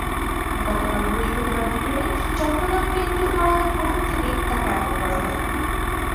গতকাল বৃহস্পতিবার বিকেলে চট্টগ্রাম কেন্দ্রীয় কারাগার ফটক থেকে তাঁকে আটক করা হয়।